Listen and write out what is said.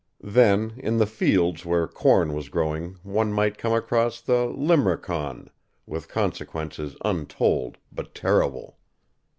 Then, in the fields where corn was growing one might come across the "limrechaun," with consequences untold but terrible.